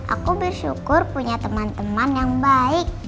aku bersyukur punya teman teman yang baik